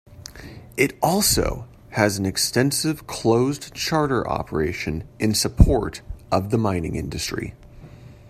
It also has an extensive closed charter operation in support of the mining industry.